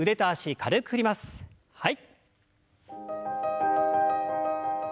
はい。